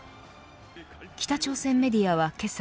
北朝鮮メディアはけさ